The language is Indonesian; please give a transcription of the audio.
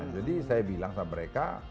jadi saya bilang sama mereka